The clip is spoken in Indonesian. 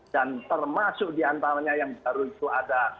dan termasuk di antaranya yang baru itu ada